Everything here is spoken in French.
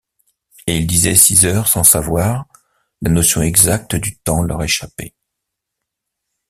Et il disait six heures sans savoir, la notion exacte du temps leur échappait.